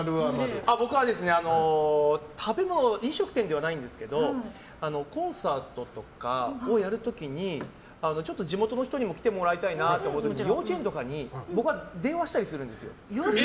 僕は飲食店ではないんですけどコンサートとかをやる時にちょっと地元の人にも来てもらいたいなっていう時に幼稚園とかに僕が電話したりするんですよ。